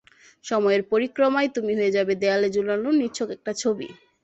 সময়ের পরিক্রমায় তুমি হয়ে যাবে দেয়ালে ঝুলানো নিছক একটা ছবি।